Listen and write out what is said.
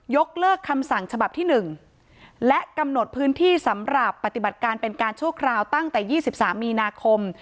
ยกเลิกคำสั่งฉบับที่๑และกำหนดพื้นที่สำหรับปฏิบัติการเป็นการชั่วคราวตั้งแต่๒๓มีนาคม